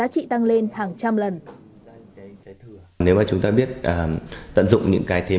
kỹ tăng lên hàng trăm lần